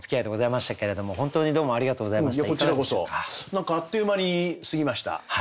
何かあっという間に過ぎました。